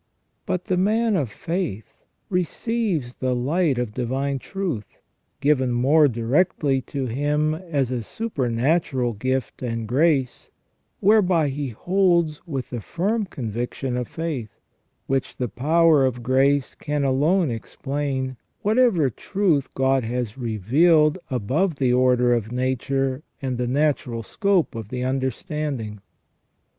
But the man of faith receives the light of divine truth, given more directly to him as a super natural gift and grace, whereby he holds with the firm conviction of faith, which the power of grace can alone explain, whatever truth God has revealed above the order of nature and the natural scope of the understanding.